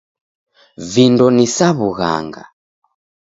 Vindo ni sa w'ughanga.